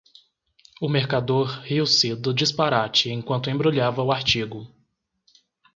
O mercador riu-se do disparate enquanto embrulhava o artigo